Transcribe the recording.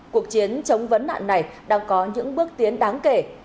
cuộc chiến chống vấn nạn này đang có những bước tiến đáng kể